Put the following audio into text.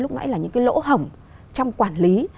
lúc nãy là những cái lỗ hổng trong quản lý